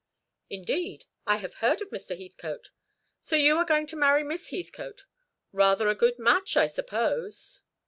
"Indeed! I have heard of Mr. Heathcote. So you are going to marry Miss Heathcote? Rather a good match, I suppose?"